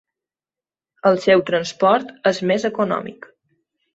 El seu transport és més econòmic.